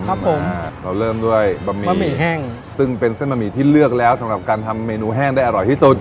ครับผมอ่าเราเริ่มด้วยบะหมี่บะหมี่แห้งซึ่งเป็นเส้นบะหมี่ที่เลือกแล้วสำหรับการทำเมนูแห้งได้อร่อยที่สุด